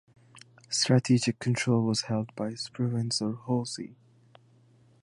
Strategic control was held by Spruance or Halsey.